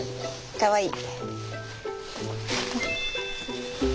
かわいい。